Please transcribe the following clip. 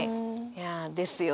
いや「ですよ」